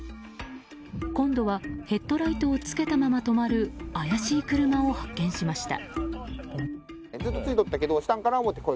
今度はヘッドライトをつけたまま止まる怪しい車を発見しました。